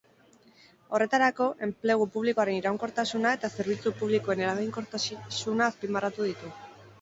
Horretarako, enplegu publikoaren iraunkortasuna eta zerbitzu publikoen eraginkortasuna azpimarratu ditu.